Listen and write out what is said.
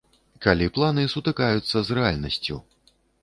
Калі планы сутыкаюцца з рэальнасцю.